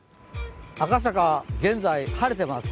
赤坂、現在晴れてます。